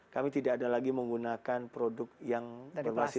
kami tidak ada lagi menggunakan produk yang berbasis plastik